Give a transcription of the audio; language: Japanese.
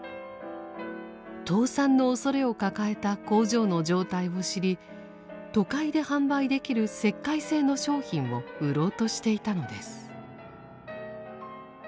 倒産のおそれを抱えた工場の状態を知り都会で販売できる石灰製の商品を売ろうとしていたのです。